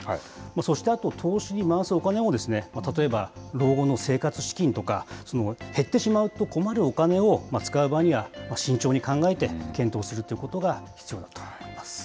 そしてあと、投資に回すお金を、例えば老後の生活資金とか、減ってしまうと困るお金を使う場合には、慎重に考えて検討するということが必要だと思います。